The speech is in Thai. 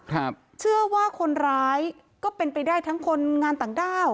ครับเชื่อว่าคนร้ายก็เป็นไปได้ทั้งคนงานต่างด้าว